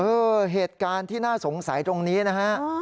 เหตุการณ์ที่น่าสงสัยตรงนี้นะฮะ